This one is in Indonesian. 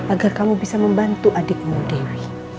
agar kamu bisa membantu adikmu dewi